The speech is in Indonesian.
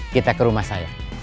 kita ke rumah saya